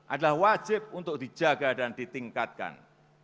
adalah wajib untuk dijaga dan ditingkatkan